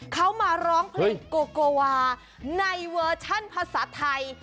เขามาร้องเพลงโกโกวาในเวอร์ชั่นภาษาไทย